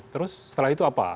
terus setelah itu apa